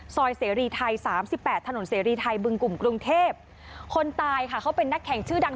เสรีไทยสามสิบแปดถนนเสรีไทยบึงกลุ่มกรุงเทพคนตายค่ะเขาเป็นนักแข่งชื่อดัง